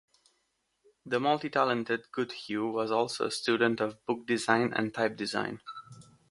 The multitalented Goodhue was also a student of book design and type design.